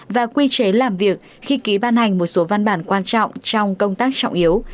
và quy chế làm việc khi ký ban hành một số văn bản quan trọng trong công tác trọng yếu